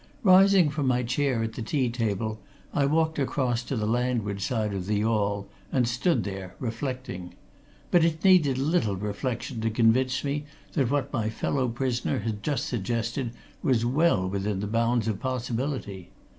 Rising from my chair at the tea table, I walked across to the landward side of the yawl, and stood there, reflecting. But it needed little reflection to convince me that what my fellow prisoner had just suggested was well within the bounds of possibility.